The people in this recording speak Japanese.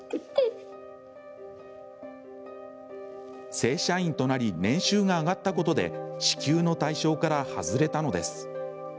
正社員となり年収が上がったことで支給の対象から外れたのです。